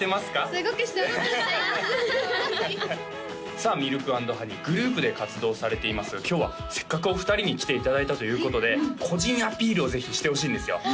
すごくしておりましてさあｍｉｌｋ＆ｈｏｎｅｙグループで活動されていますが今日はせっかくお二人に来ていただいたということで個人アピールをぜひしてほしいんですよ